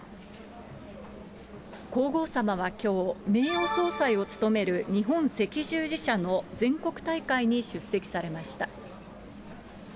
皇后さまはきょう、名誉総裁を務める日本赤十字社の全国大会に出席されました。